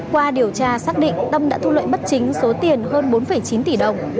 qua điều tra xác định tâm đã thu lợi bất chính số tiền hơn bốn chín tỷ đồng